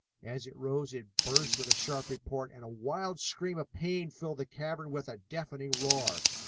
As it rose it burst with a sharp report, and a wild scream of pain filled the cavern with a deafening roar.